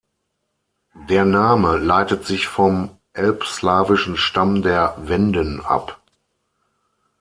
Der Name leitet sich vom elbslawischen Stamm der Wenden ab.